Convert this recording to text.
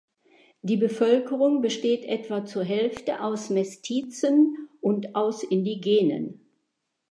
Die Bevölkerung besteht etwa zur Hälfte aus Mestizen und aus Indigenen.